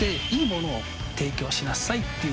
しなさいっていう。